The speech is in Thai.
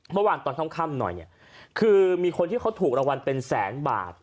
เมื่อวานตอนค่ำหน่อยเนี่ยคือมีคนที่เขาถูกรางวัลเป็นแสนบาท